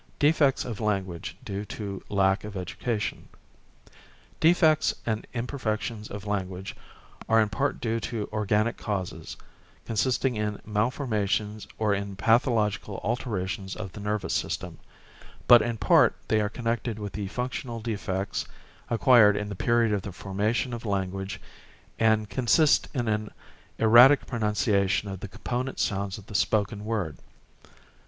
DEFECTS OF LANGUAGE DUE TO LACK OF EDUCATION Defects and imperfections of language are in part due to organic causes, consisting in malformations or in pathological alterations of the nervous system; but in part they are connected with functional defects acquired in the period of the formation of language and consist in an erratic pronunciation of the component sounds of the spoken word.